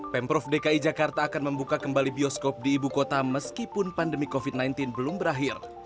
pemprov dki jakarta akan membuka kembali bioskop di ibu kota meskipun pandemi covid sembilan belas belum berakhir